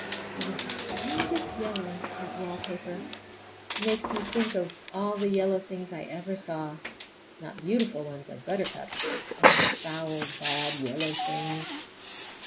It is the strangest yellow, that wallpaper! It makes me think of all the yellow things I ever saw—not beautiful ones like buttercups, but old foul, bad yellow things.